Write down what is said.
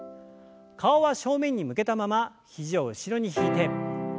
顔は正面に向けたまま肘を後ろに引いて。